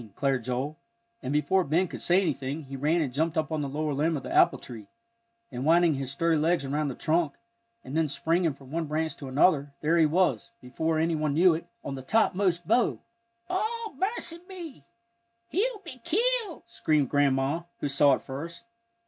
declared Joel, and before Ben could say anything he ran and jumped up on the lower limb of the apple tree, and winding his sturdy legs around the trunk, and then springing from one branch to another, there he was, before any one knew it, on the topmost bough! "O mercy me he'll be killed!" screamed Grandma, who saw it first.